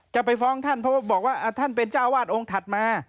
จะไปฟ้องท่านเพราะว่าบอกว่าท่านเป็นเจ้าวาดองค์ถัดมา